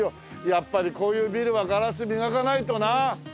やっぱりこういうビルはガラス磨かないとな！